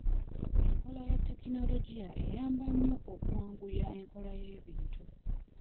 Enkola ya tekinologiya eyamba nnyo okwanguya enkola y'ebintu.